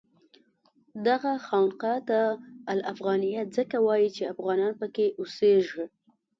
دغه خانقاه ته الافغانیه ځکه وایي چې افغانان پکې اوسېږي.